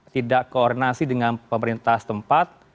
tidak koordinasi dengan pemerintah setempat